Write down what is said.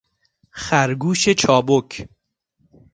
خرگوش چابک